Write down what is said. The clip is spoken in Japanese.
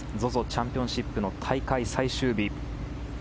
チャンピオンシップの大会最終日。